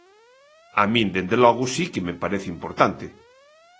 A min, dende logo, si que me parece importante.